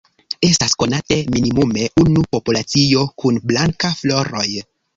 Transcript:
Estas konate minimume unu populacio kun blanka floroj.